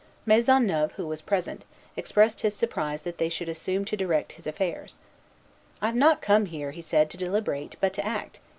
Maisonneuve, who was present, expressed his surprise that they should assume to direct his affairs. "I have not come here," he said, "to deliberate, but to act.